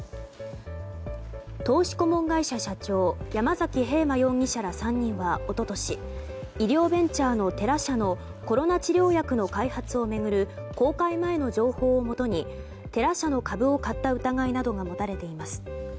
投資顧問会社社長山崎平馬容疑者ら３人は一昨年医療ベンチャーのテラ社のコロナ治療薬の開発を巡る公開前の情報をもとにテラ社の株を買った疑いなどが持たれています。